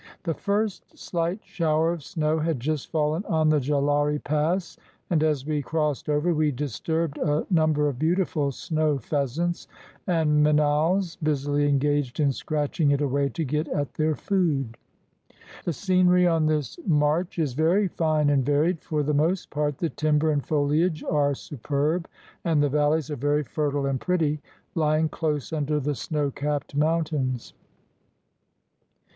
The first slight shower of snow had just fallen on the Jalauri Pass, and as we crossed over we disturbed a number of beautiful snow pheasants and minals busily engaged in scratching it away to get at their food. The scenery on this march is very fine and varied; for the most part the timber and foliage are superb, and the valleys are very fertile and pretty, lying close under the snow capped mountains.